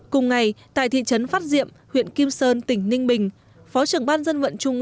cùng ngày tại thị trấn phát diệm huyện kim sơn tỉnh ninh bình phó trưởng ban dân vận trung ương